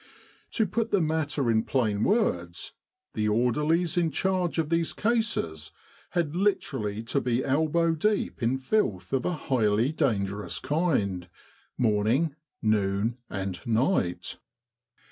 To put the matter in plain words, the orderlies in charge in these cases had literally to be elbow deep in filth of a highly dangerous kind, morning, noon, and night.